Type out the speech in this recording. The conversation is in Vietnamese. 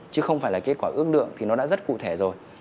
chứ không phải là kết quả ước lượng thì nó đã rất cụ thể rồi